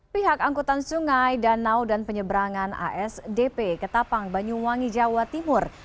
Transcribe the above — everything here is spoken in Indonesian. pihak angkutan sungai danau dan penyeberangan asdp ketapang banyuwangi jawa timur